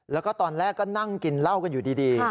แล้วก็ตอนแรกก็นั่งกินเหล้ากันอยู่ดี